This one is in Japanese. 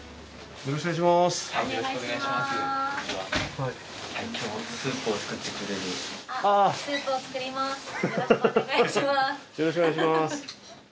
よろしくお願いします。